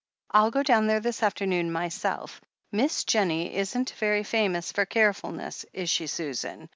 "I'll go down there this afternoon myself. Miss Jennie isn't very famous for carefulness, — is she, Susan?